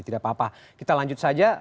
tidak apa apa kita lanjut saja